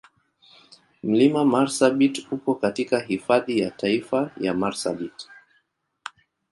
Mlima Marsabit uko katika Hifadhi ya Taifa ya Marsabit.